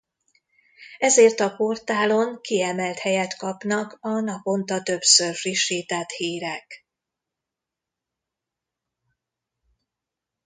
Ezért a portálon kiemelt helyet kapnak a naponta többször frissített hírek.